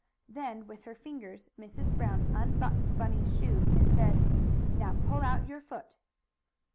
Then, with her fingers, Mrs. Brown unbuttoned Bunny's shoe, and said: "Now pull out your foot."